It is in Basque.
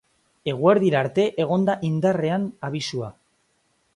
Eguerdira arte egon da indarrean abisua.